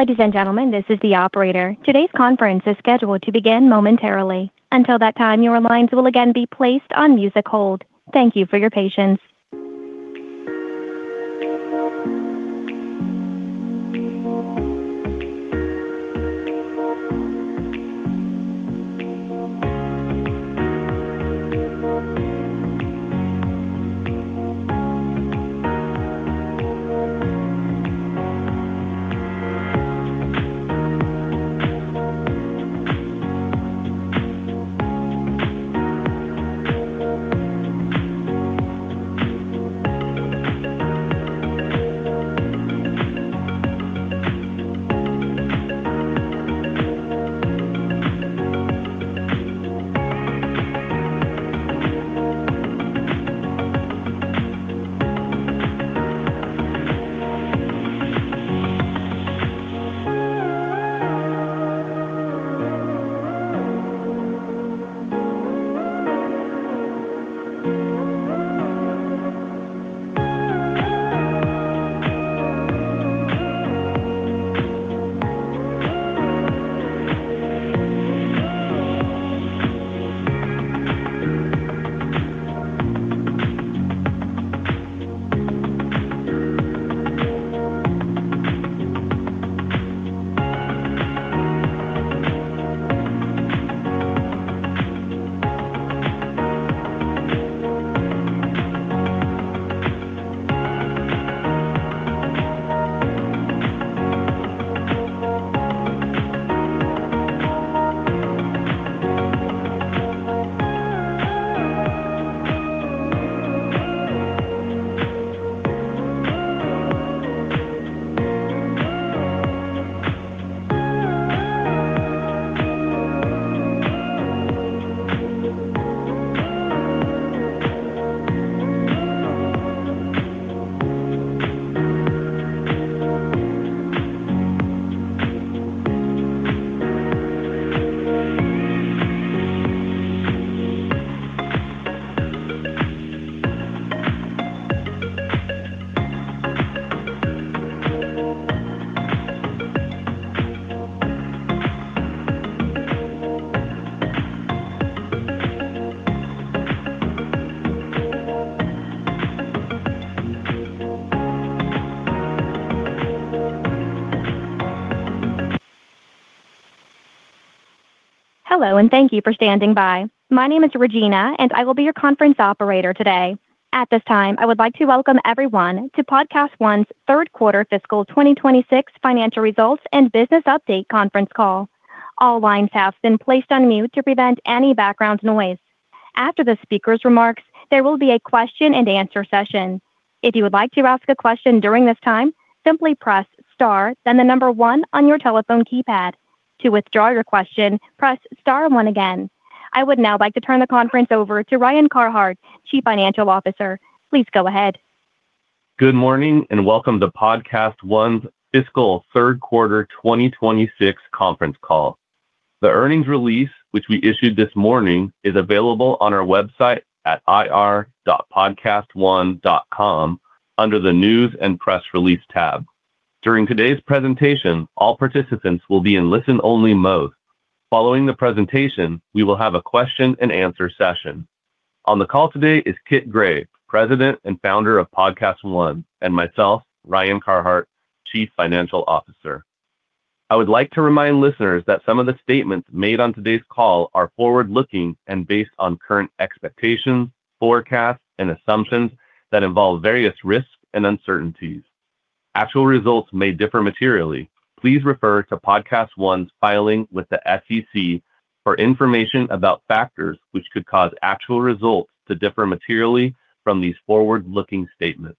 Ladies and gentlemen, this is the operator. Today's conference is scheduled to begin momentarily. Until that time, your lines will again be placed on music hold. Thank you for your patience. Hello, and thank you for standing by. My name is Regina, and I will be your conference operator today. At this time, I would like to welcome everyone to PodcastOne's third quarter fiscal 2026 financial results and business update conference call. All lines have been placed on mute to prevent any background noise. After the speaker's remarks, there will be a question-and-answer session. If you would like to ask a question during this time, simply press star, then the number one on your telephone keypad. To withdraw your question, press star one again. I would now like to turn the conference over to Ryan Carhart, Chief Financial Officer. Please go ahead. Good morning, and welcome to PodcastOne's fiscal third quarter 2026 conference call. The earnings release, which we issued this morning, is available on our website at ir.podcastone.com under the News and Press Release tab. During today's presentation, all participants will be in listen-only mode. Following the presentation, we will have a question-and-answer session. On the call today is Kit Gray, President and Founder of PodcastOne, and myself, Ryan Carhart, Chief Financial Officer. I would like to remind listeners that some of the statements made on today's call are forward-looking and based on current expectations, forecasts, and assumptions that involve various risks and uncertainties. Actual results may differ materially. Please refer to PodcastOne's filing with the SEC for information about factors which could cause actual results to differ materially from these forward-looking statements.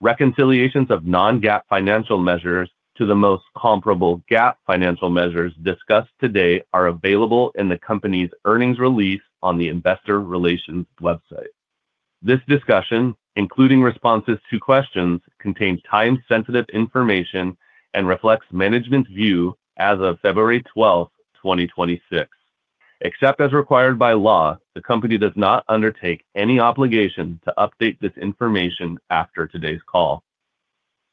Reconciliations of non-GAAP financial measures to the most comparable GAAP financial measures discussed today are available in the company's earnings release on the investor relations website. This discussion, including responses to questions, contains time-sensitive information and reflects management's view as of February 12, 2026. Except as required by law, the company does not undertake any obligation to update this information after today's call.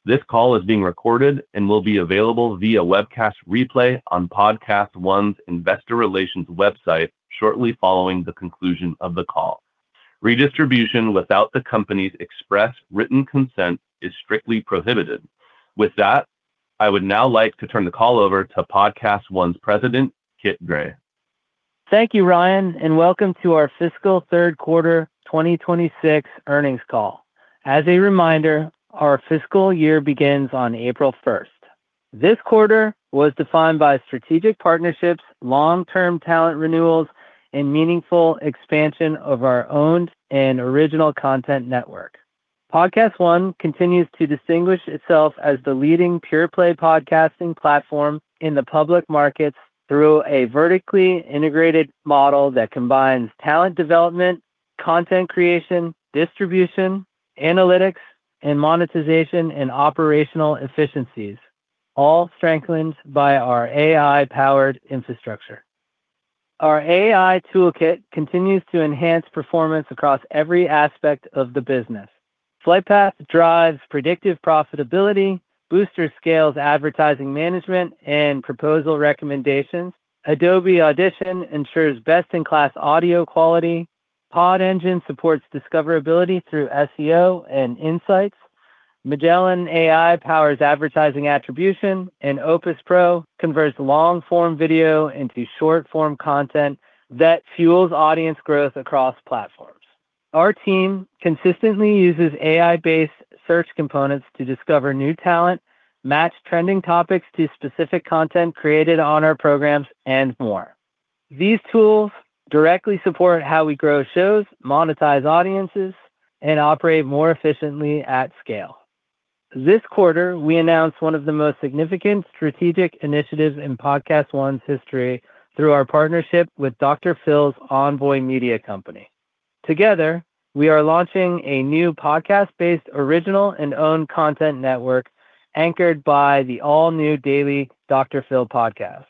This call is being recorded and will be available via webcast replay on PodcastOne's Investor Relations website shortly following the conclusion of the call. Redistribution without the company's express written consent is strictly prohibited. With that, I would now like to turn the call over to PodcastOne's President, Kit Gray. Thank you, Ryan, and welcome to our fiscal third quarter 2026 earnings call. As a reminder, our fiscal year begins on April 1st. This quarter was defined by strategic partnerships, long-term talent renewals, and meaningful expansion of our owned and original content network. PodcastOne continues to distinguish itself as the leading pure play podcasting platform in the public markets through a vertically integrated model that combines talent development, content creation, distribution, analytics, and monetization and operational efficiencies, all strengthened by our AI-powered infrastructure. Our AI toolkit continues to enhance performance across every aspect of the business. Flightpath drives predictive profitability, Boostr scales advertising management and proposal recommendations, Adobe Audition ensures best-in-class audio quality, Pod Engine supports discoverability through SEO and insights, Magellan AI powers advertising attribution, and Opus Pro converts long-form video into short-form content that fuels audience growth across platforms. Our team consistently uses AI-based search components to discover new talent, match trending topics to specific content created on our programs, and more. These tools directly support how we grow shows, monetize audiences, and operate more efficiently at scale. This quarter, we announced one of the most significant strategic initiatives in PodcastOne's history through our partnership with Dr. Phil's Envoy Media Company. Together, we are launching a new podcast-based original and owned content network anchored by the all-new daily Dr. Phil Podcast.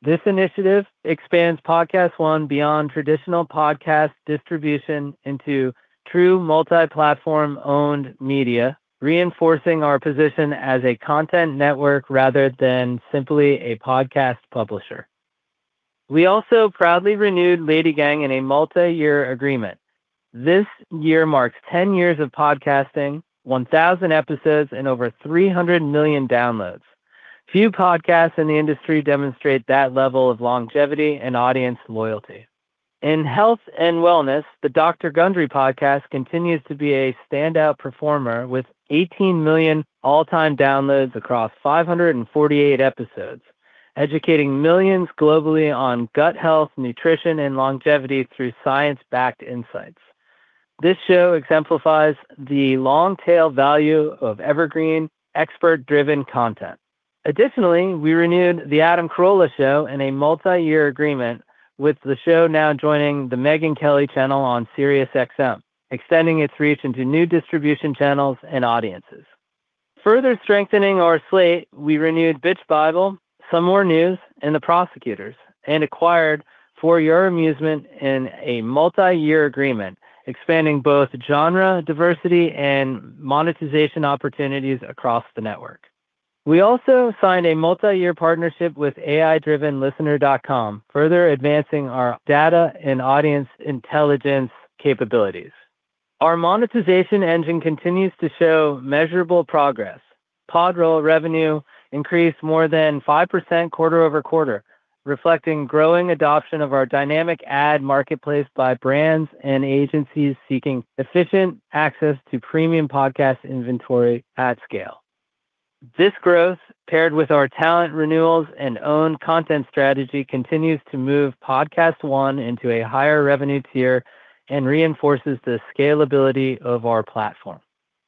This initiative expands PodcastOne beyond traditional podcast distribution into true multi-platform owned media, reinforcing our position as a content network rather than simply a podcast publisher. We also proudly renewed LadyGang in a multi-year agreement. This year marks 10 years of podcasting, 1,000 episodes, and over 300 million downloads. Few podcasts in the industry demonstrate that level of longevity and audience loyalty. In health and wellness, The Dr. Gundry Podcast continues to be a standout performer, with 18 million all-time downloads across 548 episodes, educating millions globally on gut health, nutrition, and longevity through science-backed insights. This show exemplifies the long-tail value of evergreen, expert-driven content. Additionally, we renewed The Adam Carolla Show in a multi-year agreement, with the show now joining the Megyn Kelly channel on SiriusXM, extending its reach into new distribution channels and audiences. Further strengthening our slate, we renewed Bitch Bible, Some More News, and The Prosecutors, and acquired For Your Amusement in a multi-year agreement, expanding both genre diversity and monetization opportunities across the network. We also signed a multi-year partnership with AI-driven listener.com, further advancing our data and audience intelligence capabilities. Our monetization engine continues to show measurable progress. PodRoll revenue increased more than 5% quarter-over-quarter, reflecting growing adoption of our dynamic ad marketplace by brands and agencies seeking efficient access to premium podcast inventory at scale. This growth, paired with our talent renewals and owned content strategy, continues to move PodcastOne into a higher revenue tier and reinforces the scalability of our platform.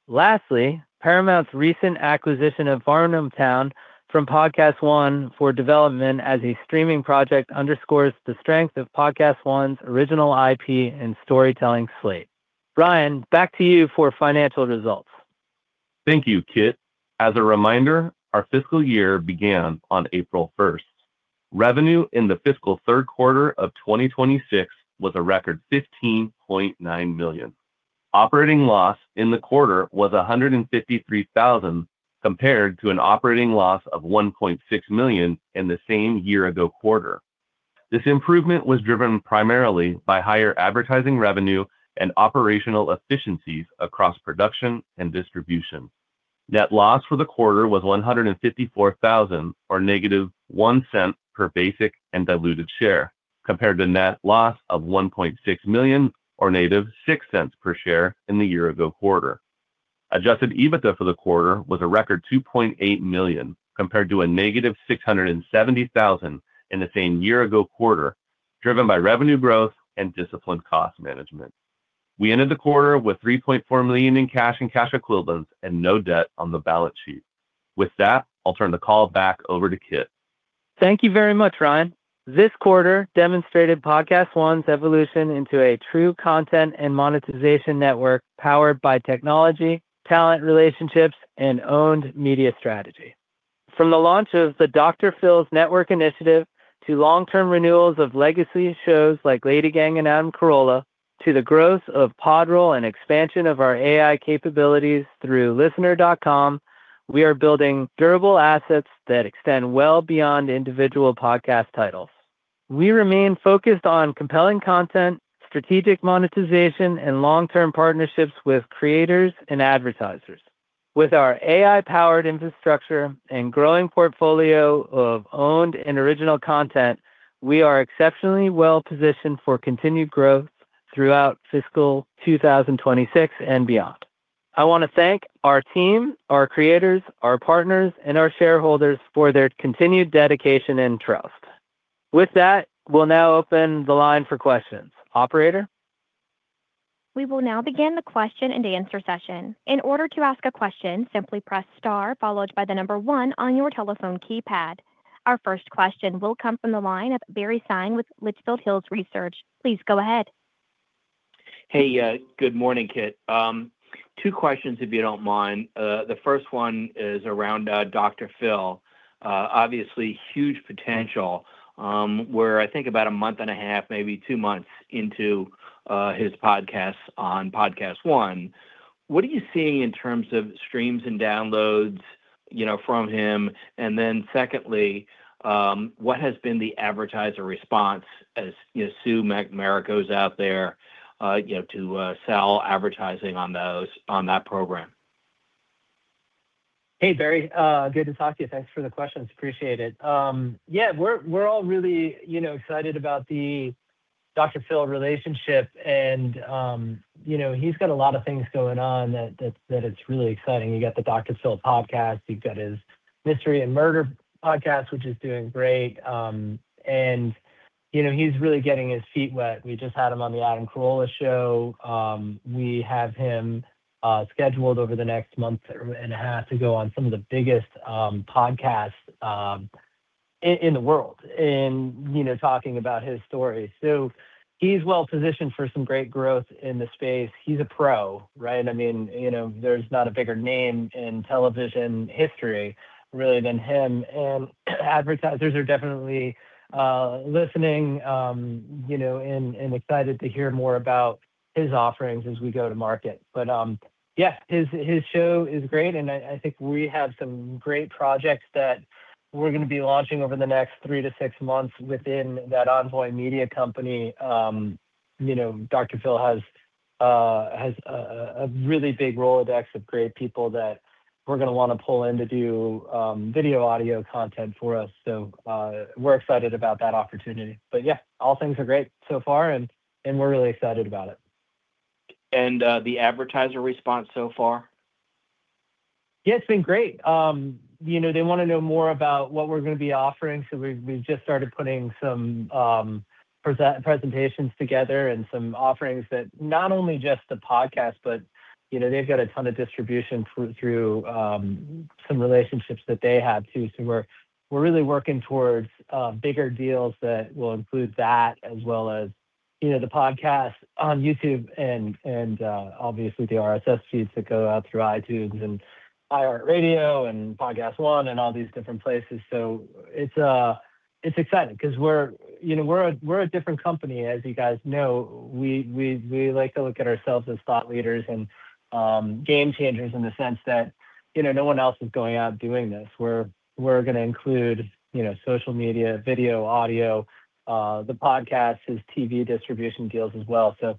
Lastly, Paramount's recent acquisition of Varnamtown from PodcastOne for development as a streaming project underscores the strength of PodcastOne's original IP and storytelling slate. Ryan, back to you for financial results. Thank you, Kit. As a reminder, our fiscal year began on April 1st. Revenue in the fiscal third quarter of 2026 was a record $15.9 million. Operating loss in the quarter was $153,000, compared to an operating loss of $1.6 million in the same year-ago quarter. This improvement was driven primarily by higher advertising revenue and operational efficiencies across production and distribution. Net loss for the quarter was $154,000 or -$0.01 per basic and diluted share, compared to net loss of $1.6 million, or -$0.06 per share in the year-ago quarter. Adjusted EBITDA for the quarter was a record $2.8 million, compared to -$670,000 in the same year-ago quarter, driven by revenue growth and disciplined cost management. We ended the quarter with $3.4 million in cash and cash equivalents and no debt on the balance sheet. With that, I'll turn the call back over to Kit. Thank you very much, Ryan. This quarter demonstrated PodcastOne's evolution into a true content and monetization network, powered by technology, talent relationships, and owned media strategy. From the launch of the Dr. Phil's Network initiative, to long-term renewals of legacy shows like LadyGang and Adam Carolla, to the growth of PodRoll and expansion of our AI capabilities through listener.com, we are building durable assets that extend well beyond individual podcast titles. We remain focused on compelling content, strategic monetization, and long-term partnerships with creators and advertisers. With our AI-powered infrastructure and growing portfolio of owned and original content, we are exceptionally well positioned for continued growth throughout fiscal 2026 and beyond. I wanna thank our team, our creators, our partners, and our shareholders for their continued dedication and trust. With that, we'll now open the line for questions. Operator? We will now begin the question-and-answer session. In order to ask a question, simply press star followed by the number one on your telephone keypad. Our first question will come from the line of Barry Sine with Litchfield Hills Research. Please go ahead. Hey, good morning, Kit. Two questions, if you don't mind. The first one is around Dr. Phil. Obviously, huge potential, we're I think about a month and a half, maybe two months into his podcast on PodcastOne. What are you seeing in terms of streams and downloads, you know, from him? And then secondly, what has been the advertiser response as, you know, Sue McNamara goes out there, you know, to sell advertising on that program? Hey, Barry, good to talk to you. Thanks for the questions. Appreciate it. Yeah, we're all really, you know, excited about the Dr. Phil relationship. And, you know, he's got a lot of things going on that it's really exciting. You got the Dr. Phil Podcast; you've got his Mystery and Murder Podcast, which is doing great. And, you know, he's really getting his feet wet. We just had him on The Adam Carolla Show. We have him scheduled over the next month and a half to go on some of the biggest podcasts in the world and, you know, talking about his story. So he's well positioned for some great growth in the space. He's a pro, right? I mean, you know, there's not a bigger name in television history, really, than him. Advertisers are definitely listening, you know, and excited to hear more about his offerings as we go to market. But yeah, his show is great, and I think we have some great projects that we're gonna be launching over the next three to six months within that Envoy Media Company. You know, Dr. Phil has a really big Rolodex of great people that we're gonna wanna pull in to do video, audio content for us. So we're excited about that opportunity. But yeah, all things are great so far, and we're really excited about it. The advertiser response so far? Yeah, it's been great. You know, they wanna know more about what we're gonna be offering, so we just started putting some presentations together and some offerings that not only just the podcast, but, you know, they've got a ton of distribution through some relationships that they have, too. So we're really working towards bigger deals that will include that, as well as, you know, the podcast on YouTube and obviously the RSS feeds that go out through iTunes and iHeartRadio and PodcastOne and all these different places. So it's exciting 'cause we're, you know, we're a different company, as you guys know. We like to look at ourselves as thought leaders and game changers in the sense that, you know, no one else is going out doing this. We're gonna include, you know, social media, video, audio, the podcast, his TV distribution deals as well. So,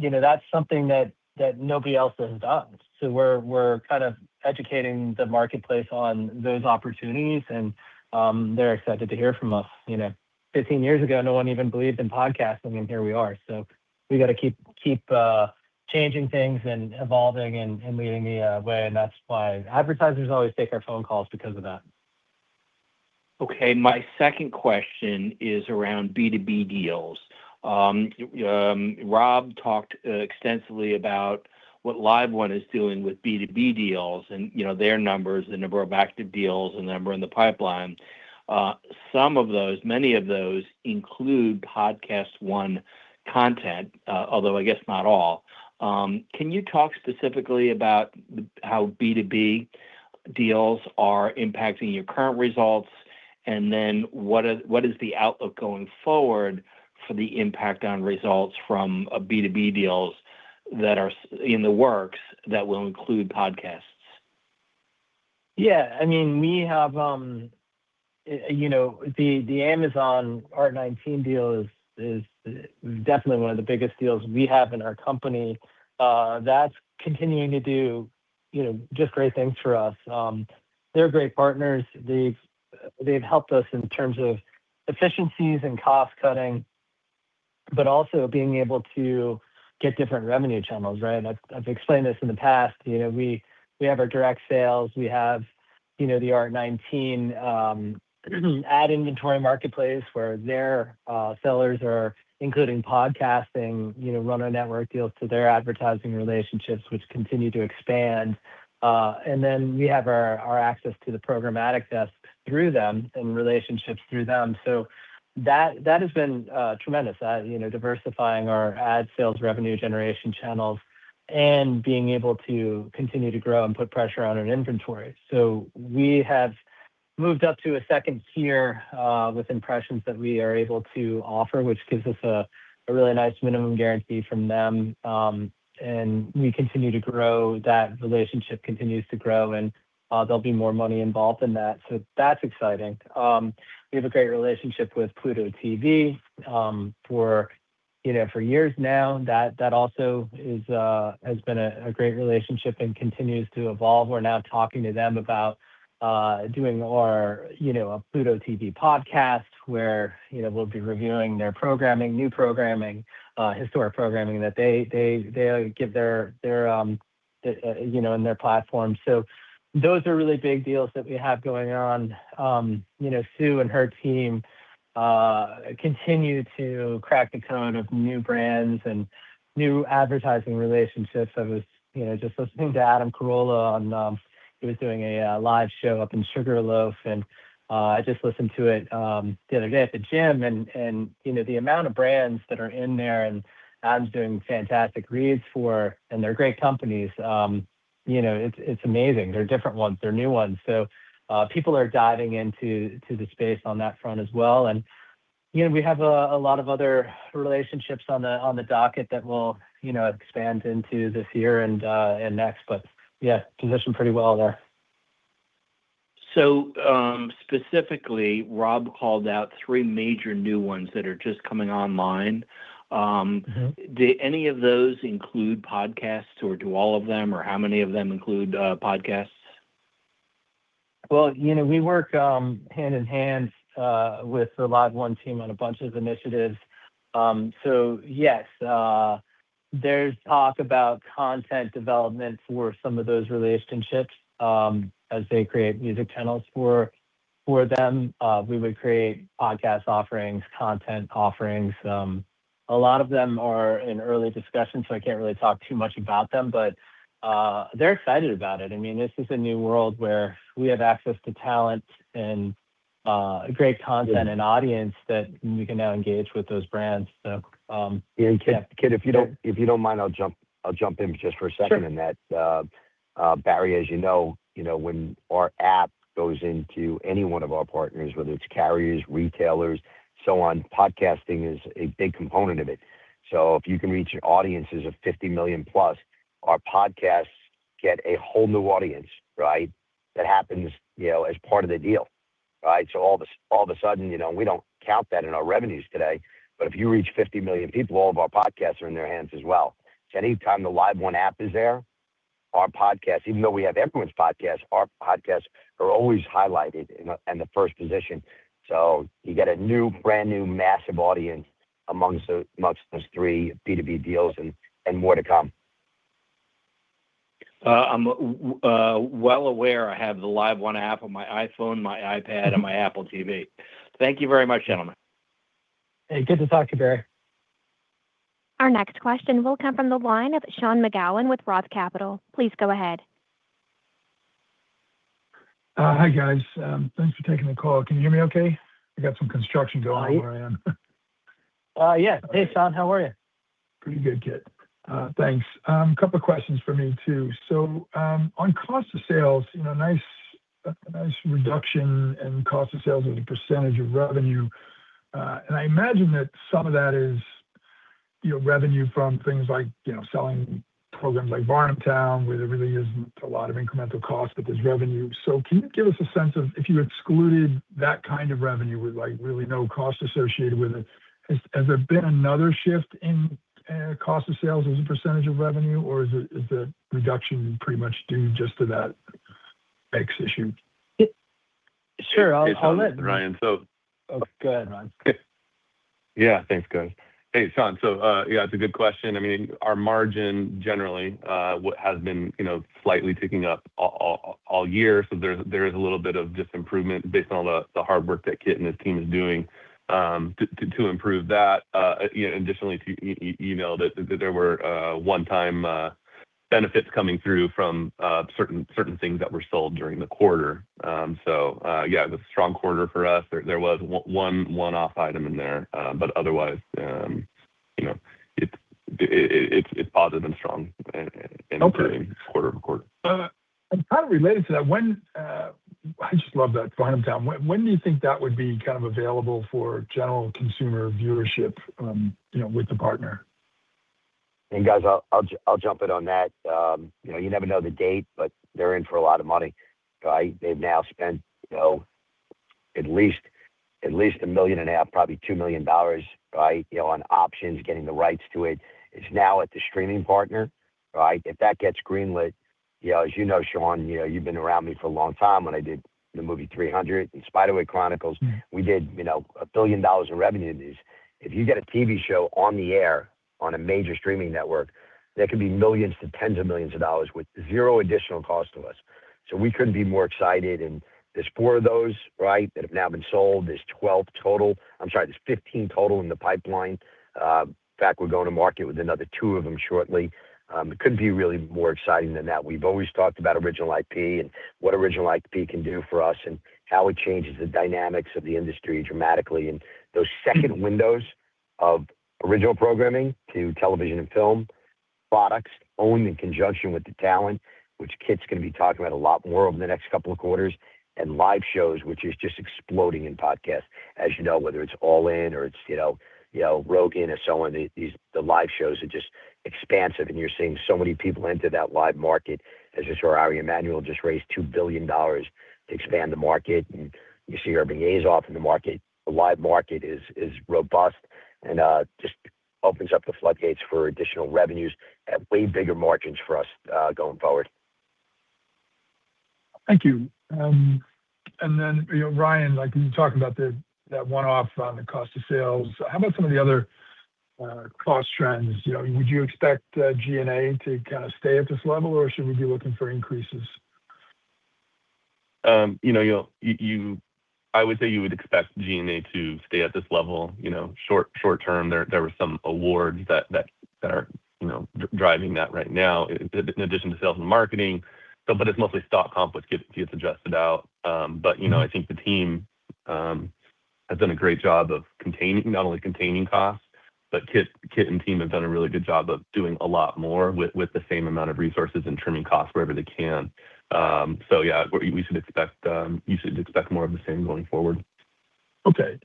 you know, that's something that nobody else has done. So we're kind of educating the marketplace on those opportunities, and they're excited to hear from us. You know, 15 years ago, no one even believed in podcasting, and here we are. So we got to keep changing things and evolving and leading the way, and that's why advertisers always take our phone calls because of that. Okay. My second question is around B2B deals. Rob talked extensively about what LiveOne is doing with B2B deals and, you know, their numbers, the number of active deals, the number in the pipeline. Some of those, many of those include PodcastOne content, although I guess not all. Can you talk specifically about the, how B2B deals are impacting your current results? And then what is, what is the outlook going forward for the impact on results from B2B deals that are in the works that will include podcasts? Yeah. I mean, we have, you know, the Amazon ART19 deal is definitely one of the biggest deals we have in our company. That's continuing to do, you know, just great things for us. They're great partners. They've helped us in terms of efficiencies and cost cutting, but also being able to get different revenue channels, right? I've explained this in the past. You know, we have our direct sales, we have, you know, the ART19 ad inventory marketplace, where their sellers are including podcasting, you know, run our network deals to their advertising relationships, which continue to expand. And then we have our access to the programmatic desk through them and relationships through them. So that has been tremendous. You know, diversifying our ad sales revenue generation channels and being able to continue to grow and put pressure on our inventory. So we have moved up to a second tier, with impressions that we are able to offer, which gives us a really nice minimum guarantee from them. And we continue to grow, that relationship continues to grow, and there'll be more money involved in that. So that's exciting. We have a great relationship with Pluto TV, for you know for years now. That also has been a great relationship and continues to evolve. We're now talking to them about doing more, you know, a Pluto TV podcast, where you know we'll be reviewing their programming, new programming, historic programming that they give their you know in their platform. So those are really big deals that we have going on. You know, Sue and her team continue to crack the code of new brands and new advertising relationships. I was, you know, just listening to Adam Carolla on. He was doing a live show up in Sugarloaf, and I just listened to it, the other day at the gym, and, and, you know, the amount of brands that are in there and Adam's doing fantastic reads for, and they're great companies. You know, it's amazing. They're different ones. They're new ones. So, people are diving into the space on that front as well, and. You know, we have a lot of other relationships on the docket that we'll, you know, expand into this year and next. But yeah, positioned pretty well there. So, specifically, Rob called out three major new ones that are just coming online. Mm-hmm. Do any of those include podcasts, or do all of them, or how many of them include podcasts? Well, you know, we work, hand in hand, with the LiveOne team on a bunch of initiatives. So yes, there's talk about content development for some of those relationships. As they create music channels for, for them, we would create podcast offerings, content offerings. A lot of them are in early discussion, so I can't really talk too much about them, but, they're excited about it. I mean, this is a new world where we have access to talent and, great content. Yeah. And audience that we can now engage with those brands. So, yeah. Kit, if you don't mind, I'll jump in just for a second. Sure. In that. Barry, as you know, you know, when our app goes into any one of our partners, whether it's carriers, retailers, so on, podcasting is a big component of it. So if you can reach audiences of 50 million+, our podcasts get a whole new audience, right? That happens, you know, as part of the deal, right? So all of a sudden, you know, we don't count that in our revenues today, but if you reach 50 million people, all of our podcasts are in their hands as well. So anytime the LiveOne app is there, our podcasts, even though we have influencer podcasts, our podcasts are always highlighted in the first position. So you get a new, brand new, massive audience amongst those three B2B deals and more to come. I'm well aware I have the LiveOne app on my iPhone, my iPad, and my Apple TV. Thank you very much, gentlemen. Hey, good to talk to you, Barry. Our next question will come from the line of Sean McGowan with Roth Capital. Please go ahead. Hi, guys. Thanks for taking the call. Can you hear me okay? I got some construction going on where I am. Hi. Yeah. Hey, Sean, how are you? Pretty good, Kit. Thanks. A couple of questions for me, too. So, on cost of sales, you know, nice, a nice reduction in cost of sales as a percentage of revenue. And I imagine that some of that is, you know, revenue from things like, you know, selling programs like Varnamtown, where there really isn't a lot of incremental cost, but there's revenue. So can you give us a sense of if you excluded that kind of revenue with, like, really no cost associated with it, has, has there been another shift in cost of sales as a percentage of revenue, or is it, is the reduction pretty much due just to that tax issue? Sure, I'll- Hey, Sean. It's Ryan, so. Go ahead, Ryan. Yeah. Thanks, guys. Hey, Sean. So, yeah, it's a good question. I mean, our margin, generally, what has been, you know, slightly ticking up all year. So there's, there is a little bit of just improvement based on all the hard work that Kit and his team is doing, to improve that. You know, additionally, to email that, that there were one-time benefits coming through from certain things that were sold during the quarter. So, yeah, it was a strong quarter for us. There was one one-off item in there, but otherwise, you know, it's positive and strong. Okay. Quarter-over-quarter. And kind of related to that, I just love that Varnamtown. When do you think that would be kind of available for general consumer viewership, you know, with the partner? Hey, guys, I'll jump in on that. You know, you never know the date, but they're in for a lot of money, right? They've now spent, you know, at least $1.5 million, probably $2 million, right, you know, on options, getting the rights to it. It's now at the streaming partner, right? If that gets greenlit, you know, as you know, Sean, you know, you've been around me for a long time, when I did the movie 300 and The Spiderwick Chronicles. Mm. We did, you know, $1 billion in revenue in these. If you get a TV show on the air on a major streaming network, that could be millions to tens of millions of dollars with zero additional cost to us. So we couldn't be more excited, and there's four of those, right, that have now been sold. There's 12 total. I'm sorry, there's 15 total in the pipeline. In fact, we're going to market with another two of them shortly. It couldn't be really more exciting than that. We've always talked about original IP and what original IP can do for us and how it changes the dynamics of the industry dramatically. Those second windows of original programming to television and film, products owned in conjunction with the talent, which Kit's gonna be talking about a lot more over the next couple of quarters, and live shows, which is just exploding in podcasts. As you know, whether it's All In or it's, you know, Rogan or so on, these live shows are just expansive, and you're seeing so many people enter that live market. As you saw, Ari Emanuel just raised $2 billion to expand the market, and you see Irving Azoff in the market. The live market is robust and just opens up the floodgates for additional revenues and way bigger margins for us going forward. Thank you. And then, you know, Ryan, like, when you talk about the, that one-off on the cost of sales, how about some of the other, cost trends? You know, would you expect, G&A to kind of stay at this level, or should we be looking for increases? You know, you would say you would expect G&A to stay at this level, you know, short term. There were some awards that are, you know, driving that right now, in addition to sales and marketing. But it's mostly stock comp, which gets adjusted out. But, you know, I think the team has done a great job of containing not only costs- But Kit and team have done a really good job of doing a lot more with the same amount of resources and trimming costs wherever they can. So yeah, you should expect more of the same going forward. Okay.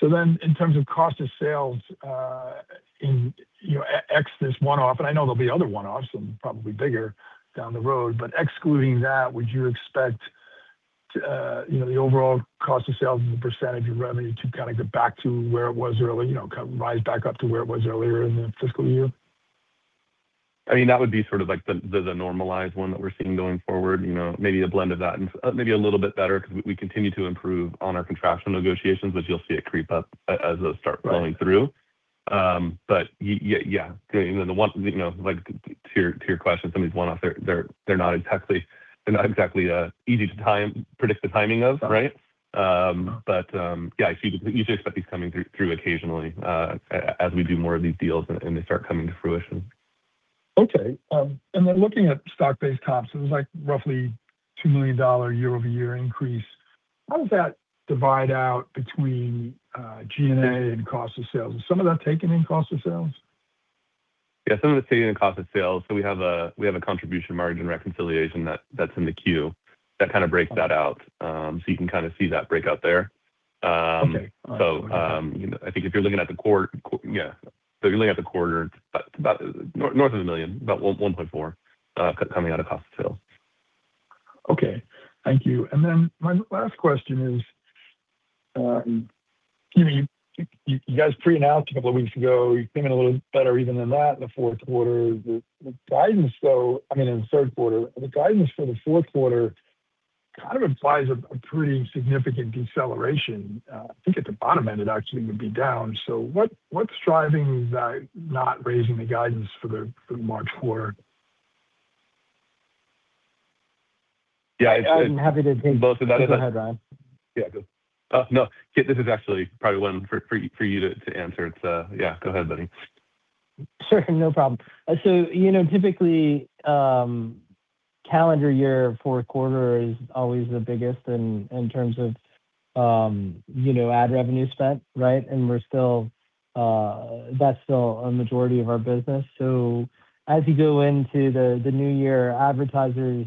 So then in terms of cost of sales, you know, excluding this one-off, and I know there'll be other one-offs, and probably bigger down the road, but excluding that, would you expect, you know, the overall cost of sales as a percentage of revenue to kinda get back to where it was earlier, you know, kind of rise back up to where it was earlier in the fiscal year? I mean, that would be sort of like the normalized one that we're seeing going forward, you know. Maybe a blend of that and maybe a little bit better 'cause we continue to improve on our contractual negotiations, which you'll see it creep up as those start flowing through. But yeah, I mean, the one, you know, like, to your question, some of these one-offs, they're not exactly easy to time, predict the timing of, right? Yeah, I see you should expect these coming through occasionally as we do more of these deals and they start coming to fruition. Okay. And then looking at stock-based comp, it was, like, roughly $2 million year-over-year increase. How does that divide out between G&A and cost of sales? Is some of that taken in cost of sales? Yeah, some of it's taken in cost of sales. So we have a contribution margin reconciliation that's in the queue. That kind of breaks that out, so you can kinda see that breakout there. Okay. So, you know, I think if you're looking at the quarter. So if you're looking at the quarter, about north of $1 million, about $1.4 million coming out of cost of sales. Okay. Thank you. And then my last question is, you know, you guys pre-announced a couple of weeks ago, you're doing a little better even than that in the fourth quarter. The guidance, though... I mean, in the third quarter. The guidance for the fourth quarter kind of implies a pretty significant deceleration. I think at the bottom end, it actually would be down. So what's driving you guys not raising the guidance for the March quarter? Yeah, it's- I'm happy to take- Both of that- Go ahead, Ryan. Yeah, good. No, Kit, this is actually probably one for you to answer. It's, yeah, go ahead, buddy. Sure, no problem. So, you know, typically, calendar year, fourth quarter is always the biggest in, in terms of, you know, ad revenue spent, right? And we're still, that's still a majority of our business. So as you go into the, the new year, advertisers,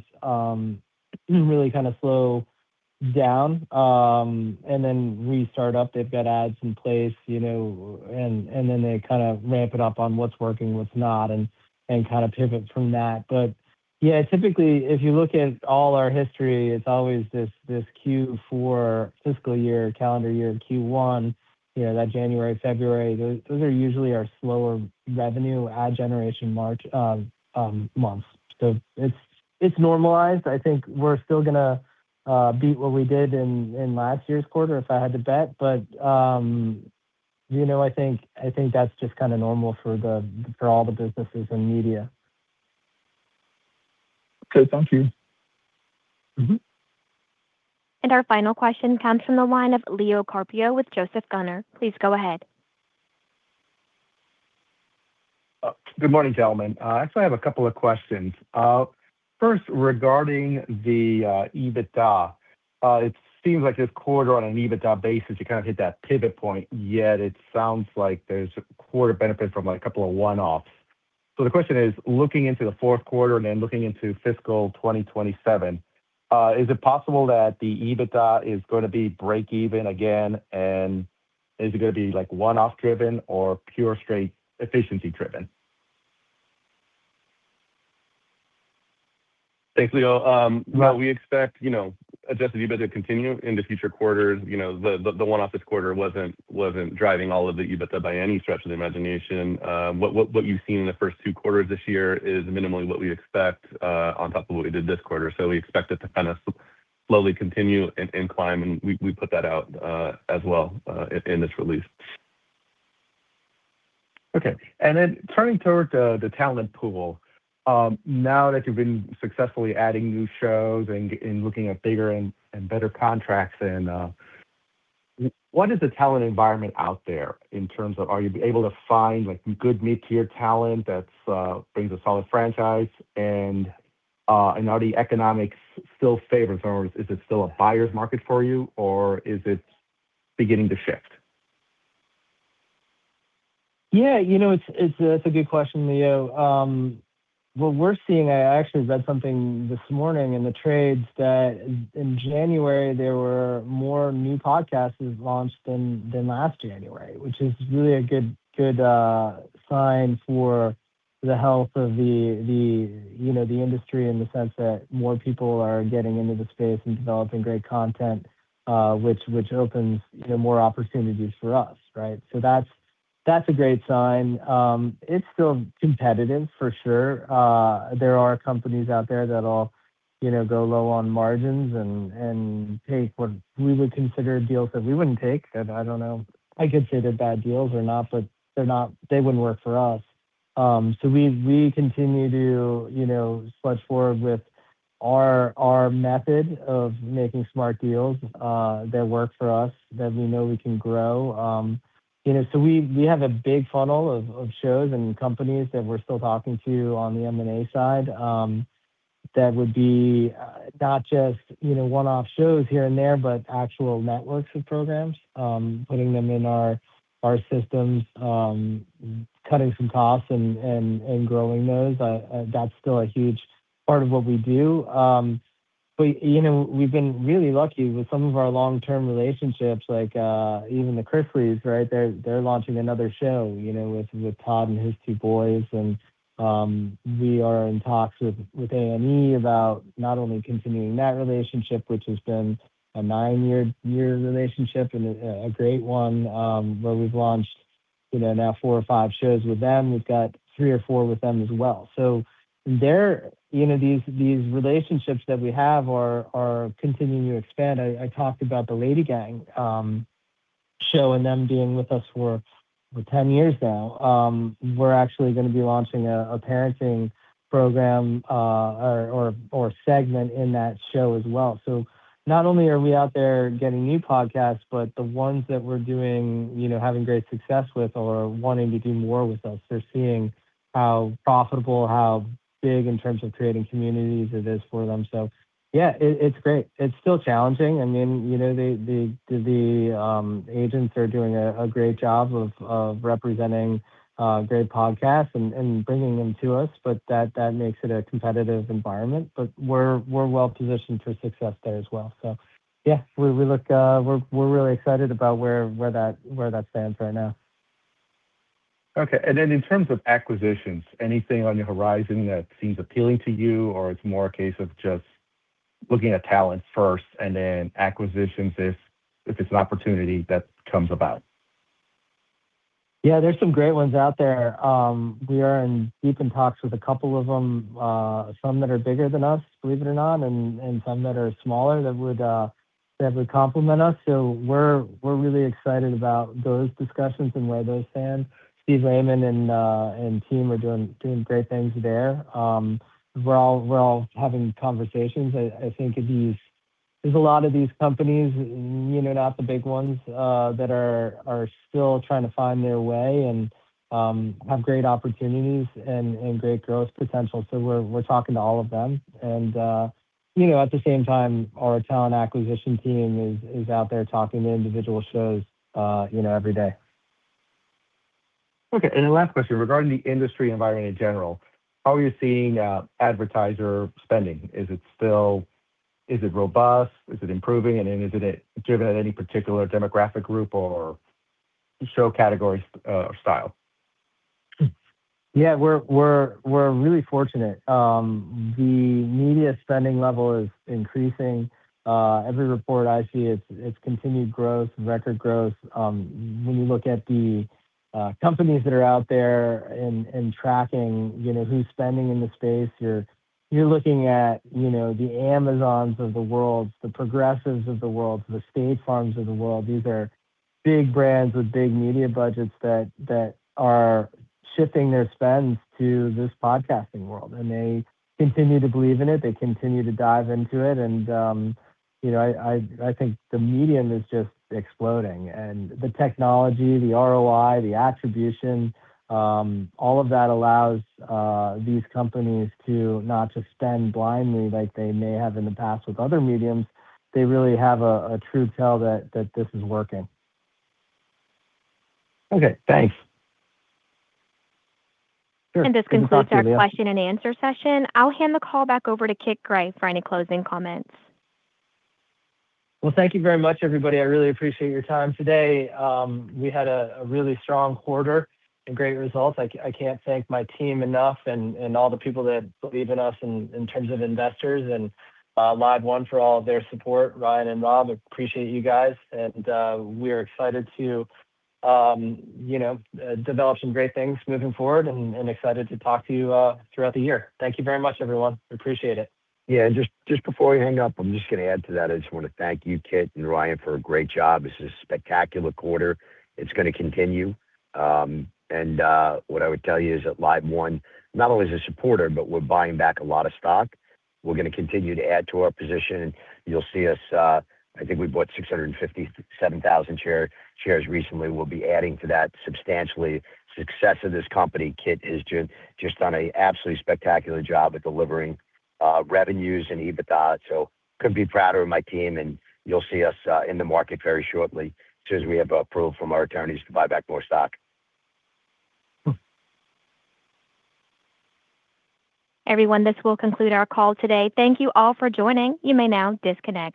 really kinda slow down, and then restart up. They've got ads in place, you know, and, and then they kind of ramp it up on what's working, what's not, and, and kinda pivot from that. But yeah, typically, if you look at all our history, it's always this, this Q4 fiscal year, calendar year, Q1, you know, that January, February, those, those are usually our slower revenue, ad generation March, months. So it's, it's normalized. I think we're still gonna, beat what we did in, in last year's quarter, if I had to bet. But, you know, I think that's just kinda normal for all the businesses in media. Okay. Thank you. Mm-hmm. Our final question comes from the line of Leo Carpio with Joseph Gunnar. Please go ahead. Good morning, gentlemen. I still have a couple of questions. First, regarding the EBITDA, it seems like this quarter, on an EBITDA basis, you kind of hit that pivot point, yet it sounds like there's a quarter benefit from a couple of one-offs. So the question is, looking into the fourth quarter and then looking into fiscal 2027, is it possible that the EBITDA is gonna be break even again, and is it gonna be, like, one-off driven or pure straight efficiency driven? Thanks, Leo. Well, we expect, you know, adjusted EBITDA to continue in the future quarters. You know, the one-off this quarter wasn't driving all of the EBITDA by any stretch of the imagination. What you've seen in the first two quarters this year is minimally what we expect on top of what we did this quarter. So we expect it to kinda slowly continue and climb, and we put that out as well in this release. Okay. And then turning toward the talent pool, now that you've been successfully adding new shows and looking at bigger and better contracts and what is the talent environment out there in terms of are you able to find, like, good mid-tier talent that's brings a solid franchise? And are the economics still favored, or is it still a buyer's market for you, or is it beginning to shift? Yeah, you know, it's, it's a good question, Leo. What we're seeing, I actually read something this morning in the trades that in January, there were more new podcasts launched than, than last January, which is really a good, good, sign for the health of the, the, you know, the industry in the sense that more people are getting into the space and developing great content, which, which opens, you know, more opportunities for us, right? So that's, that's a great sign. It's still competitive, for sure. There are companies out there that all, you know, go low on margins and, and take what we would consider deals that we wouldn't take. And I don't know, I could say they're bad deals or not, but they're not—they wouldn't work for us. So we continue to, you know, push forward with our method of making smart deals that work for us, that we know we can grow. You know, so we have a big funnel of shows and companies that we're still talking to on the M&A side. That would be not just, you know, one-off shows here and there, but actual networks of programs, putting them in our systems, cutting some costs and growing those. That's still a huge part of what we do. We, you know, we've been really lucky with some of our long-term relationships, like even the Chrisleys, right? They're launching another show, you know, with Todd and his two boys. We are in talks with A&E about not only continuing that relationship, which has been a nine-year relationship and a great one, where we've launched, you know, now four or five shows with them. We've got three or four with them as well. So they're, you know, these relationships that we have are continuing to expand. I talked about the LadyGang show and them being with us for 10 years now. We're actually gonna be launching a parenting program or segment in that show as well. So not only are we out there getting new podcasts, but the ones that we're doing, you know, having great success with or wanting to do more with us, they're seeing how profitable, how big in terms of creating communities it is for them. So yeah, it's great. It's still challenging. I mean, you know, the agents are doing a great job of representing great podcasts and bringing them to us, but that makes it a competitive environment. But we're well positioned for success there as well. So yeah, we're really excited about where that stands right now. Okay. And then in terms of acquisitions, anything on the horizon that seems appealing to you, or it's more a case of just looking at talent first and then acquisitions if it's an opportunity that comes about? Yeah, there's some great ones out there. We are deep in talks with a couple of them, some that are bigger than us, believe it or not, and some that are smaller that would complement us. So we're really excited about those discussions and where those stand. Steve Lehman and team are doing great things there. We're all having conversations. I think these... There's a lot of these companies, you know, not the big ones, that are still trying to find their way and have great opportunities and great growth potential. So we're talking to all of them. And you know, at the same time, our talent acquisition team is out there talking to individual shows, you know, every day. Okay, and the last question, regarding the industry environment in general, how are you seeing advertiser spending? Is it still robust? Is it improving? And then is it driven at any particular demographic group or show categories, or style? Yeah, we're really fortunate. The media spending level is increasing. Every report I see, it's continued growth, record growth. When you look at the companies that are out there and tracking, you know, who's spending in the space, you're looking at, you know, the Amazons of the world, the Progressives of the world, the State Farms of the world. These are big brands with big media budgets that are shifting their spends to this podcasting world, and they continue to believe in it. They continue to dive into it. And, you know, I think the medium is just exploding. And the technology, the ROI, the attribution, all of that allows these companies to not just spend blindly like they may have in the past with other mediums. They really have a true tell that this is working. Okay, thanks. Sure. This concludes our question-and-answer session. I'll hand the call back over to Kit Gray for any closing comments. Well, thank you very much, everybody. I really appreciate your time today. We had a really strong quarter and great results. I can't thank my team enough and all the people that believe in us in terms of investors and LiveOne for all of their support. Ryan and Rob, I appreciate you guys, and we're excited to you know develop some great things moving forward and excited to talk to you throughout the year. Thank you very much, everyone. We appreciate it. Yeah. Just, just before we hang up, I'm just gonna add to that. I just wanna thank you, Kit and Ryan, for a great job. This is a spectacular quarter. It's gonna continue. What I would tell you is that LiveOne, not only as a supporter, but we're buying back a lot of stock. We're gonna continue to add to our position, and you'll see us. I think we bought 657,000 shares recently. We'll be adding to that substantially. Success of this company, Kit, has just, just done an absolutely spectacular job at delivering revenues and EBITDA, so couldn't be prouder of my team, and you'll see us in the market very shortly, as soon as we have approval from our attorneys to buy back more stock. Everyone, this will conclude our call today. Thank you all for joining. You may now disconnect.